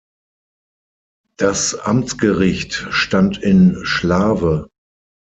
Das Amtsgericht stand in Schlawe.